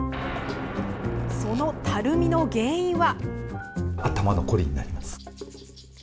そのたるみの原因は。